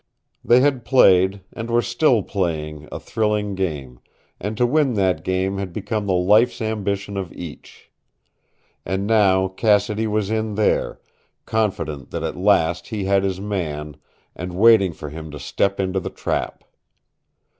They had played, and were still playing, a thrilling game, and to win that game had become the life's ambition of each. And now Cassidy was in there, confident that at last he had his man, and waiting for him to step into the trap.